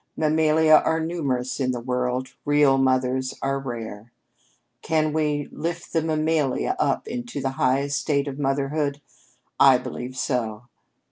"Mammalia are numerous in this world; real mothers are rare. Can we lift the mammalia up into the high estate of motherhood? I believe so.